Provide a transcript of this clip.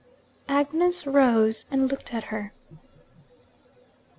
Agnes rose and looked at her.